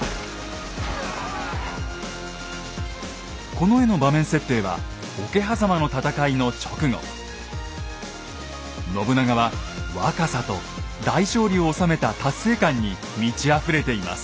この絵の場面設定は信長は若さと大勝利を収めた達成感に満ちあふれています。